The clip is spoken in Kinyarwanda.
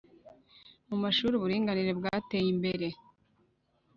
mu mashuri uburinganire bwateye imbere;